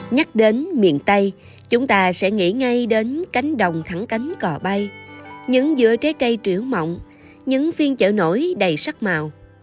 nhắc đến miền tây chúng ta sẽ nghĩ ngay đến cánh đồng thẳng cánh cỏ bay những dựa trái cây triểu mộng những phiên chợ nổi đầy sắc màu